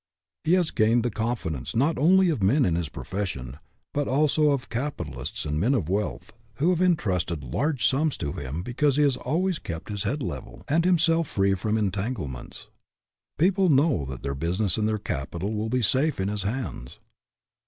He has gained the confidence not only of men in his profession, but also of capi talists and men of wealth, who have entrusted large sums to him because he has always kept his head level, and himself free from entangle ments. People know that their business and their capital will be safe in his hands.